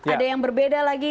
ada yang berbeda lagi